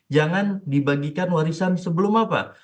jangan dibagikan warisan sebelum apa